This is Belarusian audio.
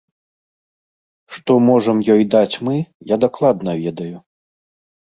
Што можам ёй даць мы, я дакладна ведаю.